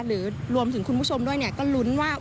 หรือรวมถึงคุณผู้ชมด้วยเนี่ยก็ลุ้นว่า